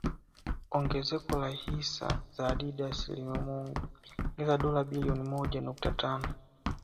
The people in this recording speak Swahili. Ongezeko la hisa za Adidas liliomuongezea dola bilioni moja nukta tano